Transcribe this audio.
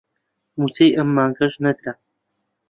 مووچەی ئەم مانگەش نەدرا